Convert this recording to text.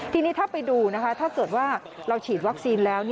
ทีนี้ถ้าไปดูนะคะถ้าเกิดว่าเราฉีดวัคซีนแล้ว